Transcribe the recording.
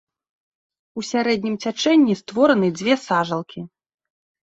У сярэднім цячэнні створаны дзве сажалкі.